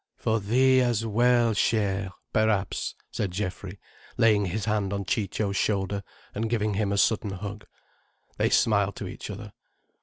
"For thee as well, cher! Perhaps—" said Geoffrey, laying his arm on Ciccio's shoulder, and giving him a sudden hug. They smiled to each other.